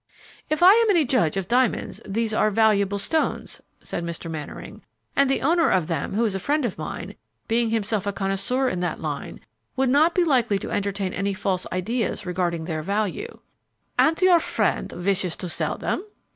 "If I am any judge of diamonds, these are valuable stones," said Mr. Mannering, "and the owner of them, who is a friend of mine, being himself a connoisseur in that line, would not be likely to entertain any false ideas regarding their value." "And your friend wishes to sell them?"